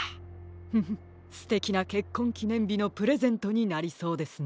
フフすてきなけっこんきねんびのプレゼントになりそうですね。